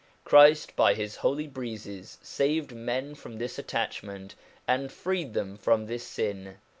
Christ by his holy breezes saved men from this attachment, and freed them from this sin.